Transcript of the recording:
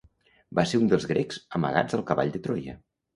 Va ser un dels grecs amagats al cavall de Troia.